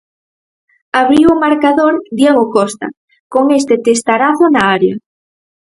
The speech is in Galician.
Abriu o marcador Diego Costa, con este testarazo na área.